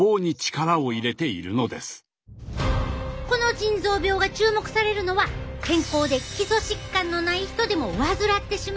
この腎臓病が注目されるのは健康で基礎疾患のない人でも患ってしまうことがあるからなんやわ。